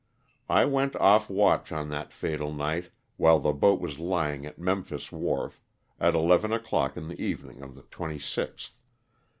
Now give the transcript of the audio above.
I went off watch on that fatal night while the boat was lying at Memphis wharf, at eleven o'clock in the evening of the 26th.